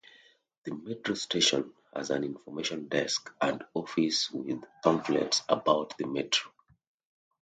The metro station has an information desk and office with pamphlets about the metro.